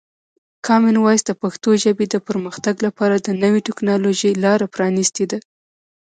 کامن وایس د پښتو ژبې د پرمختګ لپاره د نوي ټکنالوژۍ لاره پرانیستې ده.